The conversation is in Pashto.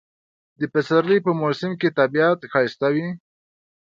د پسرلی په موسم کې طبیعت ښایسته وي